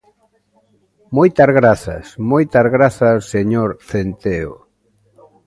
Moitas grazas, moitas grazas señor Centeo.